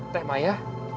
pak kek maya